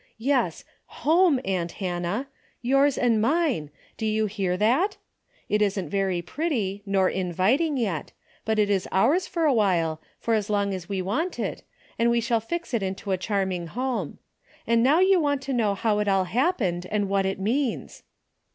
Yes, HOME, aunt Hannah, yours and mine, do you hear that ? It isn't very pretty, nor invit ing yet, but it is ours for a while, for as long as we want it, and we shall fix it into a charm ing home. And now you want to know how it all happened and what it means.